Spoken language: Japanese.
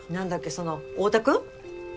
その太田君？